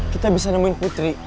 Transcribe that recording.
kita bisa nemuin putri